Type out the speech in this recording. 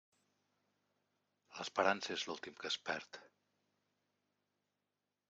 L'esperança és l'últim que es perd.